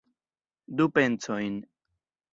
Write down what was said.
Du pencojn.